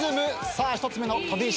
さあ１つ目の飛び石。